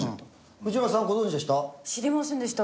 藤原さんはご存じでした？